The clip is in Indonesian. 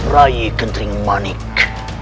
rai kentering manik